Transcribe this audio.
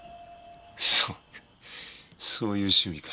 そうかそういう趣味かよ。